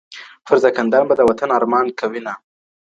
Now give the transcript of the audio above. پر زکندن به د وطن ارمان کوینه.